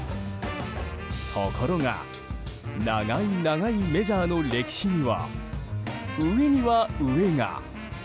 ところが長い長いメジャーの歴史には上には、上が。